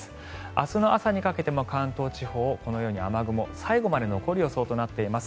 明日の朝にかけても関東地方、このように雨雲が最後まで残る予想となっています。